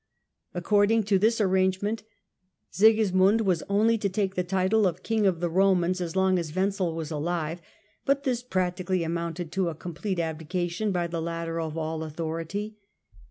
According to this arrangement, Sigismund was only to take the title of King of the Eomans as long as Wenzel was alive, but this practically amounted to a complete abdication by the latter of all authority.